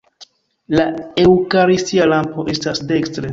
La eŭkaristia lampo estas dekstre.